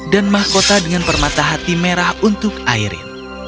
dan mahkota dengan permata hati merah untuk irene